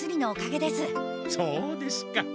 そうですか。